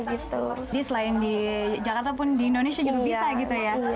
jadi selain di jakarta pun di indonesia juga bisa gitu ya